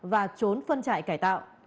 và trốn phân trại cải tạo